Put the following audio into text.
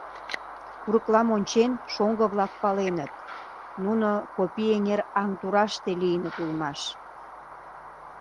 Курыклам ончен, шоҥго-влак паленыт: нуно Копи эҥер аҥ тураште лийыныт улмаш.